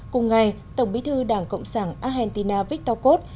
cùng ngày tổng bí thư đảng cộng sản argentina victor cot